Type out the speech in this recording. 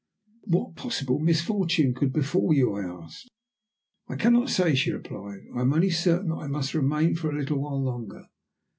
"But what possible misfortune could befall you?" I asked. "I cannot say," she replied. "I am only certain that I must remain for a little while longer.